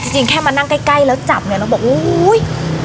จริงแค่มานั่งใกล้แล้วจับเนี่ยเราบอกโอ้ย